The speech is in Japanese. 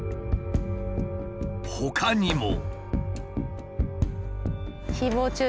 ほかにも。